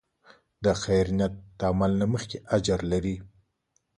د خیر نیت د عمل نه مخکې اجر لري.